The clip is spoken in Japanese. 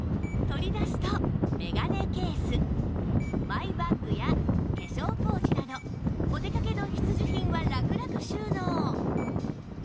取り出すとメガネケースマイバッグや化粧ポーチなどお出かけの必需品はラクラク収納